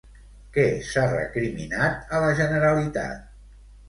Què s'ha recriminat a la Generalitat?